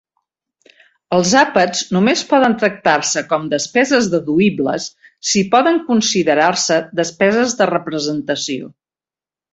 Els àpats només poden tractar-se com despeses deduïbles si poden considerar-se despeses de representació.